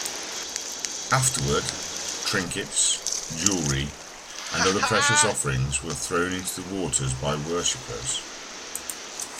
Afterward, trinkets, jewelry, and other precious offerings were thrown into the waters by worshipers.